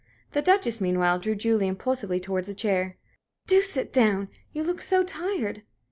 The Duchess meanwhile drew Julie impulsively towards a chair. "Do sit down. You look so tired."